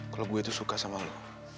kalau saya suka dengan kamu